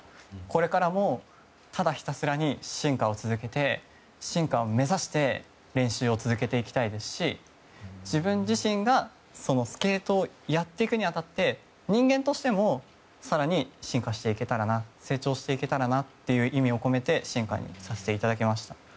これからも、ただひたすらに進化を続けて進化を目指して練習を続けていきたいですし自分自身がスケートをやっていくに当たって人間としても更に進化していけたらな成長していけたらなっていう意味を込めて進化にさせていただきました。